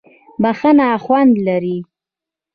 بښنه خوند لري.